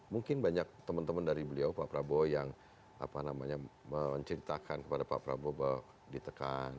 mungkin banyak teman teman dari beliau pak prabowo yang menceritakan kepada pak prabowo bahwa ditekan